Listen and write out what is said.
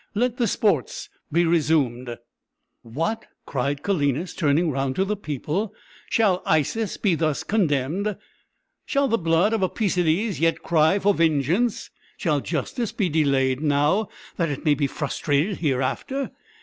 Let the sports be resumed." "What!" cried Calenus, turning round to the people, "shall Isis be thus contemned? Shall the blood of Apæcides yet cry for vengeance? Shall justice be delayed now, that it may be frustrated hereafter?